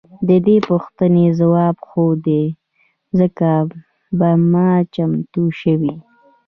د دې پوښتنې ځواب هو دی ځکه پنبه چمتو شوې.